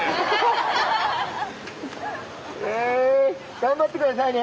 頑張ってくださいね。